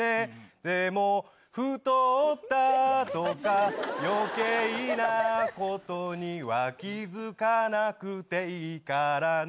でも太ったとか、よけいなことには気付かなくていいからね。